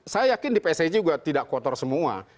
saya yakin di psi juga tidak kotor semua